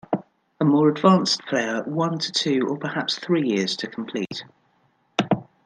A more advanced player - one to two or perhaps three years to complete.